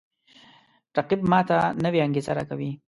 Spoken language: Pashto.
رقیب ما ته نوی انگیزه راکوي